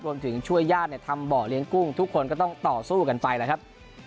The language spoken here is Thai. ช่วยญาติทำเบาะเลี้ยงกุ้งทุกคนก็ต้องต่อสู้กันไปแล้วครับ